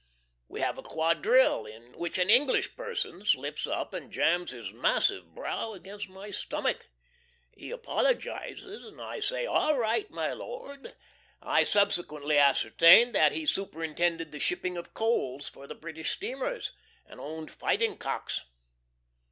We have a quadrille, in which an English person slips up and jams his massive brow against my stomach. He apologizes, and I say, "all right, my lord." I subsequently ascertained that he superintended the shipping of coals for the British steamers, and owned fighting cocks.